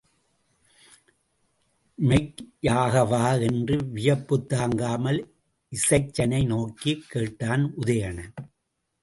மெய்யாகவா? என்று வியப்புத்தாங்காமல் இசைச்சனை நோக்கிக் கேட்டான் உதயணன்.